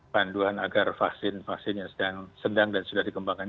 panduan agar vaksin vaksin yang sedang dan sudah dikembangkan